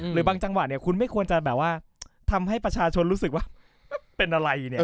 หรือบางจังหวะเนี่ยคุณไม่ควรจะแบบว่าทำให้ประชาชนรู้สึกว่าเป็นอะไรเนี่ย